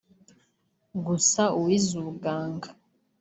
gusa uwize ubuganga